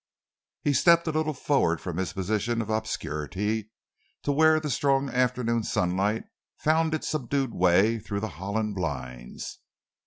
He stepped a little forward from his position of obscurity to where the strong afternoon sunlight found its subdued way through the Holland blinds.